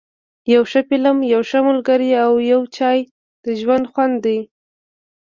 یو ښه فلم، یو ښه ملګری او یو چای ، د ژوند خوند دی.